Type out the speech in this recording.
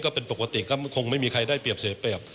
ก็เป็นปกติก็คงไม่มีใครได้เปรียบเสียเปรียบ